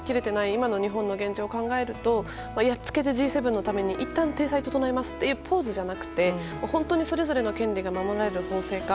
今の日本の現状を考えるとやっつけでＧ７のためにいったん体裁を整えますというポーズじゃなくて本当にそれぞれの権利が守られる法制化